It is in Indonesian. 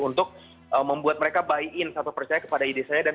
untuk membuat mereka buy in atau percaya kepada ide saya